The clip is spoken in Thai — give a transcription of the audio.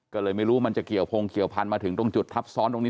ก็เลยไม่รู้มันจะเกี่ยวพงเกี่ยวพันธุมาถึงตรงจุดทับซ้อนตรงนี้